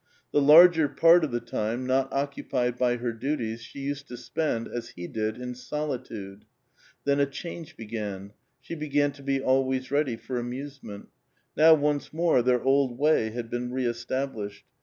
The larger part of the time not occupied by her duties she used to spend, as he did, in solitude. Then a change began ; she began to be always ready for amusement. Now once more their old way had been re established.